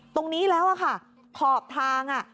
ตรงนี้แล้วค่ะขอบทาง